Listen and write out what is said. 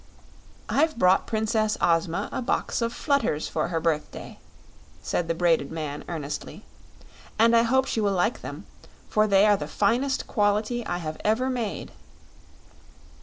"I've brought Princess Ozma a box of flutters for her birthday," said the Braided Man, earnestly; "and I hope she will like them, for they are the finest quality I have ever made."